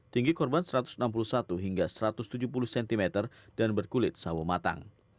tinggi korban satu ratus enam puluh satu hingga satu ratus tujuh puluh cm dan berkulit sawo matang